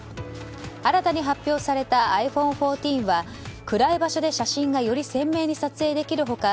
新たに発表されたｉＰｈｏｎｅ１４は暗い場所で写真がより鮮明に撮影できる他